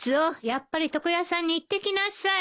やっぱり床屋さんに行ってきなさい。